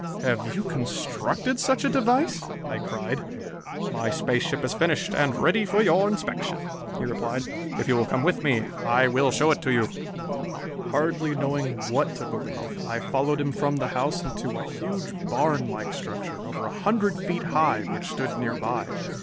"Have you constructed such a device?" I cried. "My space ship is finished and ready for your inspection," he replied. "If you will come with me, I will show it to you." Hardly knowing what to believe, I followed him from the house and to a huge barnlike structure, over a hundred feet high, which stood nearby.